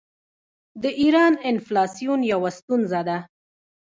د ایران انفلاسیون یوه ستونزه ده.